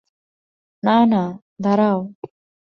না, না, দাঁড়াও।